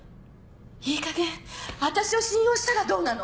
いいかげん私を信用したらどうなの。